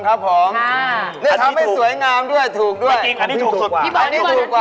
ทำให้สวยงามด้วยถูกด้วยอันนี้ถูกกว่าอันนี้ถูกกว่า